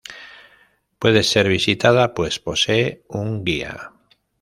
Puede ser visitada pues posee un guía.